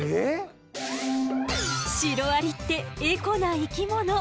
シロアリってエコな生き物！